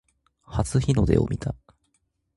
初日の出を見た